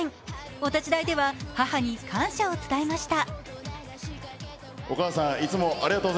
お立ち台では母に感謝を伝えました。